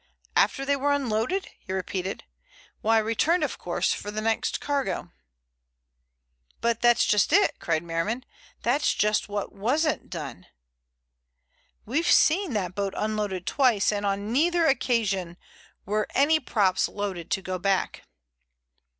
"After they were unloaded?" he repeated. "Why, returned of course for the next cargo." "But that's just it," cried Merriman. "That's just what wasn't done. We've seen that boat unloaded twice, and on neither occasion were any props loaded to go back."